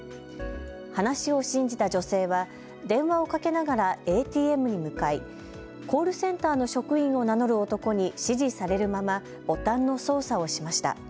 話を信じた女性は電話をかけながらＡＴＭに向かいコールセンターの職員を名乗る男に指示されるままボタンの操作をしました。